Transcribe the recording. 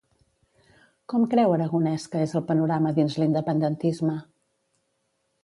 Com creu Aragonès que és el panorama dins l'independentisme?